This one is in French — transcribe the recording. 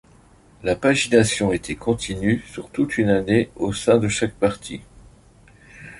La pagination était continue sur toute une année au sein de chaque partie.